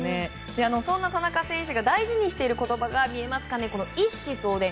そんな田中選手が大事にしている言葉が一志走伝。